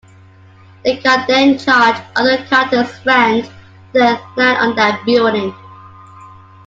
They can then charge other characters rent when they land on that building.